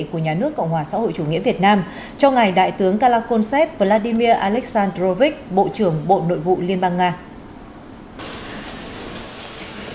của nhà nước cộng hòa xã hội chủ nghĩa việt nam cho ngài đại tướng kalakonsep vladimir aleksandrovich bộ trưởng bộ nội vụ liên bang nga